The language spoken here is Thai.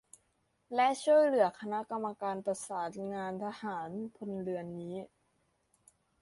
และช่วยเหลือคณะกรรมการประสานงานทหาร-พลเรือนนี้